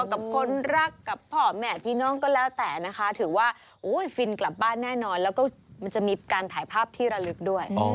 กับคนรักกับพ่อแม่พี่น้องก็แล้วแต่นะคะถือว่าฟินกลับบ้านแน่นอนแล้วก็มันจะมีการถ่ายภาพที่ระลึกด้วย